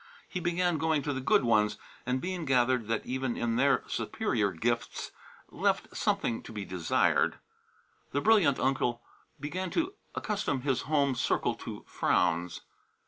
He began going to the good ones, and Bean gathered that even their superior gifts left something to be desired. The brilliant uncle began to accustom his home circle to frowns.